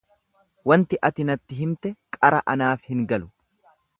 Waanti ati natti himte qara anaaf hin galu.